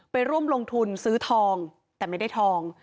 ไปร่วมลงทุนซื้อทองแต่ไม่ได้ทอง